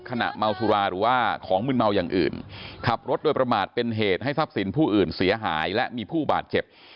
เมาสุราหรือว่าของมืนเมาอย่างอื่นขับรถโดยประมาทเป็นเหตุให้ทรัพย์สินผู้อื่นเสียหายและมีผู้บาดเจ็บ